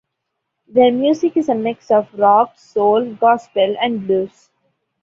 Their music is a mix of rock, soul, gospel and blues.